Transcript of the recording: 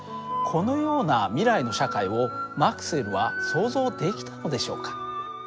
このような未来の社会をマクスウェルは想像できたのでしょうか。